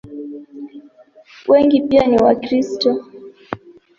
Wengi pia ni Wakristo.